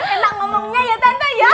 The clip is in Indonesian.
enak ngomongnya ya tata ya